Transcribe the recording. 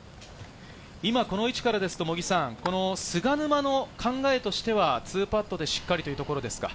今この位置からですと、菅沼の考えとしては２パットでしっかりというところですか。